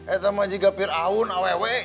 itu mah juga piraun awewek